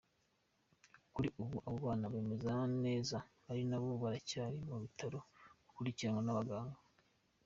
Kuri ubu abo bana bameze neza ariko baracyari mu bitaro bakurikiranwa n’abaganga.